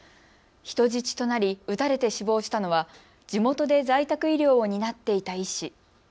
人質となり撃たれて死亡したのは地元で在宅医療を担っていた医師。